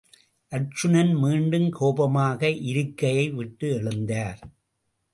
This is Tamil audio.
அர்ச்சுனன், மீண்டும் கோபமாக இருக்கையை விட்டு எழுந்தார்.